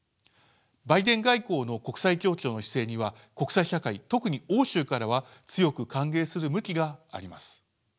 バイデン外交の国際協調の姿勢には国際社会特に欧州からは強く歓迎する向きがあります。